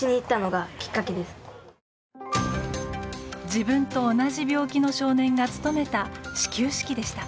自分と同じ病気の少年が務めた始球式でした。